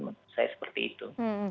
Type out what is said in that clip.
menurut saya seperti itu